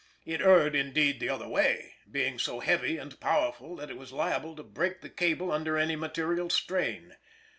It erred, indeed, the other way, being so heavy and powerful that it was liable to break the cable under any material strain.